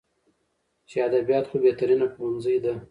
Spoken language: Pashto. چې ادبيات خو بهترينه پوهنځۍ ده.